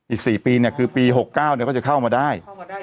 อีก๔ปีคือปี๖๙ก็จะเข้ามาได้